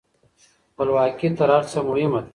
خپلواکي تر هر څه مهمه ده.